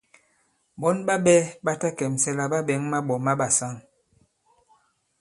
Ɓɔ̌n ɓa ɓɛ̄ ɓa ta kɛ̀msɛ la ɓa ɓɛ̌ŋ maɓɔ̀ ma ɓàsaŋ.